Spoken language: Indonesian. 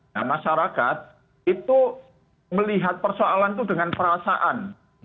nah masyarakat itu melihat persoalan itu dengan perasaan